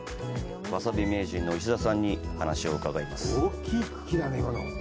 わさび名人の石田さんに話を伺います。